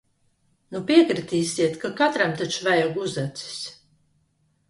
Nu piekritīsiet, ka katram taču vajag uzacis?